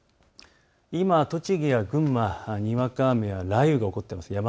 今、栃木や群馬、にわか雨や雷雨が起こっています。